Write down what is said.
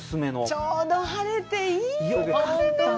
ちょうど晴れて、いいですねぇ！